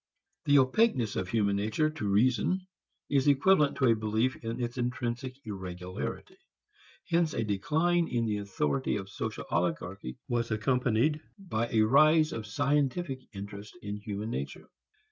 The opaqueness of human nature to reason is equivalent to a belief in its intrinsic irregularity. Hence a decline in the authority of social oligarchy was accompanied by a rise of scientific interest in human nature.